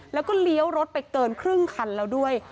แล้วก็เลี้ยวรถไปเกินครึ่งคันแล้วด้วย